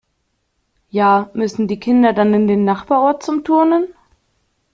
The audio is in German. Ja, müssen die Kinder dann in den Nachbarort zum Turnen?